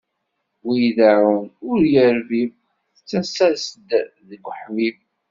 Win ideɛɛun i urbib, tettas-as-d deg uḥbib.